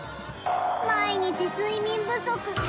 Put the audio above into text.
毎日、睡眠不足。